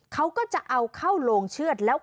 เขาก็จะเอาเข้าโรงเชือดแล้ว